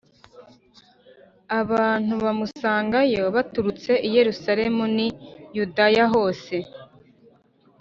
Abantu bamusangagayo baturutse i Yerusalemu n i Yudaya hose